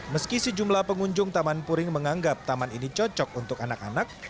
meski sejumlah pengunjung taman puring menganggap taman ini cocok untuk anak anak